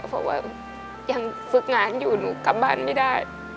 เพราะว่ายังฝึกงานอยู่หนูกลับบ้านไม่ได้